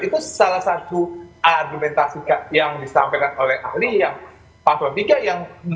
itu salah satu argumentasi yang disampaikan oleh ahli yang pasal tiga yang